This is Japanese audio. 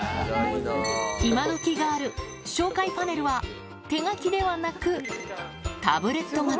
今どきガール、紹介パネルは手書きではなく、タブレット型。